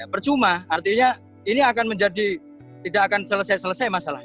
percuma artinya ini tidak akan selesai selesai masalah